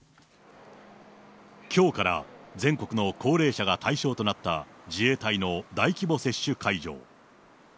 きょうから全国の高齢者が対象となった自衛隊の大規模接種会場。